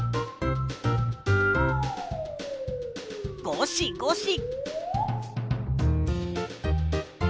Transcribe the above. ごしごし。